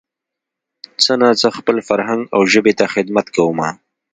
څه نا څه خپل فرهنګ او ژبې ته خدمت کومه